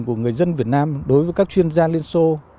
của người dân việt nam đối với các chuyên gia liên xô